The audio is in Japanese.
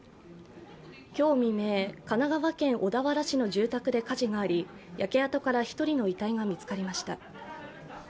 今日未明、神奈川県小田原市の住宅で火事があり、焼け跡から１人の遺体が見つかりました。